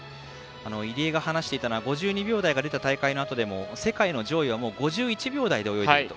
入江が話していたのは５２秒台が大会で出ても世界の上位は５１秒台で泳いでると。